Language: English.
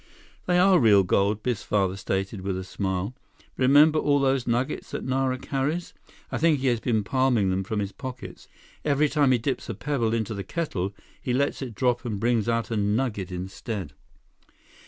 "They are real gold," Biff's father stated, with a smile. "Remember all those nuggets that Nara carries? I think he has been palming them from his pockets. Every time he dips a pebble into the kettle, he lets it drop and brings out a nugget instead."